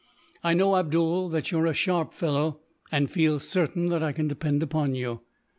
I know, Abdool, that you are a sharp fellow, and feel certain that I can depend upon you."